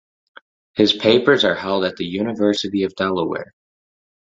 His papers are held at the University of Delaware.